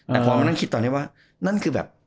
แต่พอว่านั้นคิดตอนนี้ว่านั่นแบบ